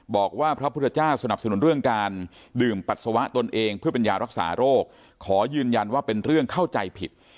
พระพุทธเจ้าสนับสนุนเรื่องการดื่มปัสสาวะตนเองเพื่อเป็นยารักษาโรคขอยืนยันว่าเป็นเรื่องเข้าใจผิด